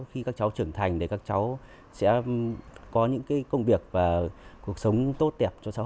khi các cháu trưởng thành các cháu sẽ có những công việc và cuộc sống tốt